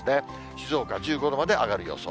静岡１５度まで上がる予想。